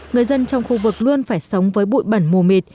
người dân trong khu vực luôn phải sống với bụi bẩn mù mịt